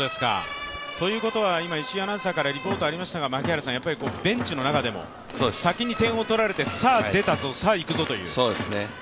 ということは今、石井アナウンサーからリポートありましたがベンチの中でも先に点を取られてさぁ、出たぞ、さぁ、いくぞという。